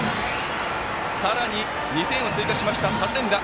さらに２点を追加しました３連打。